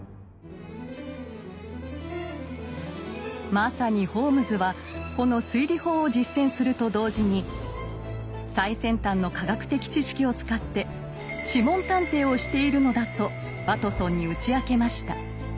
まさにホームズはこの推理法を実践すると同時に最先端の科学的知識を使って「諮問探偵」をしているのだとワトソンに打ち明けました。